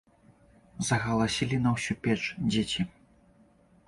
Загаласілі на ўсю печ дзеці.